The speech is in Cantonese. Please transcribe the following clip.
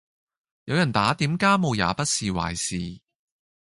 有人打點家務也不是壞事